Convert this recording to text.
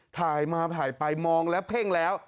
ถ่ายมาถ่ายไปมองแล้วเพ่งแล้ว